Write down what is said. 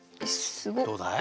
どうだい？